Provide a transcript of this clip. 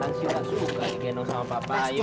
mas yuka suka ini gendong sama papa